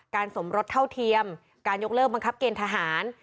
สมรสเท่าเทียมการยกเลิกบังคับเกณฑหาร